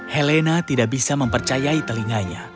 helena tidak bisa mempercayai telinganya